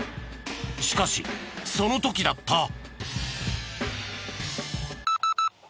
しかしその時だった！